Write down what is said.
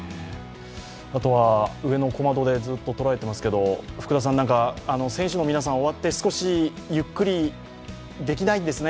あとは上の小窓でずっと捉えてますけど福田さん、選手の皆さん、終わって、少しゆっくりできないんですね？